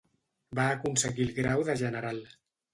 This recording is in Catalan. Va aconseguir el grau de general.